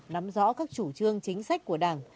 nắm rõ các chủ trương chính sách của đảng